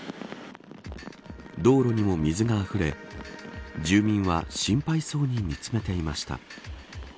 道路にも水があふれ住民は心配そうに見つめていました。